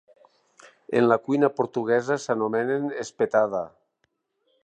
En la cuina portuguesa, s'anomenen "espetada".